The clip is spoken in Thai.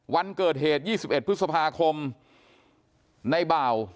วันเกิดเหตุ๒๑พฤษภาคมในบ่าว